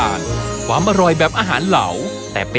อันนี้คือร้านหน้า๒๐๐บาท